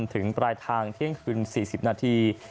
ถึงปลายทางเที่ยงคืน๔๐นาที